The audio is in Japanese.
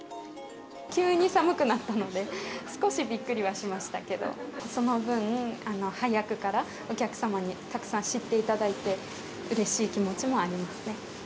急に寒くなったので、少しびっくりはしましたけど、その分、早くからお客様にたくさん知っていただいて、うれしい気持ちもありますね。